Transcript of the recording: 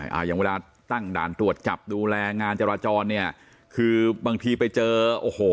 อย่างเวลาตั้งด่านตรวจจับดูแลงานจราจรเนี่ยคือบางทีไปเจอโอ้โห